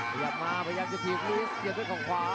พยายามมาพยายามจะถีบลุยีสเทียบด้วยของขวา